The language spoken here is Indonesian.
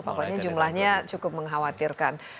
pokoknya jumlahnya cukup mengkhawatirkan